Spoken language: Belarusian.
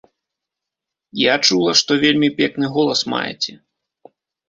Я чула, што вельмі пекны голас маеце.